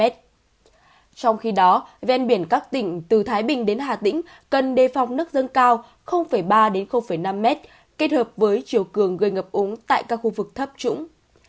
trong khi đó ven biển các tỉnh từ thái bình đến hà tĩnh cần đề phòng nước dâng cao ba năm mét kết hợp với chiều cường gây ngập úng tại các khu vực thấp trũng